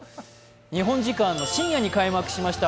日本時間の深夜に開幕しましたＦＩＦＡ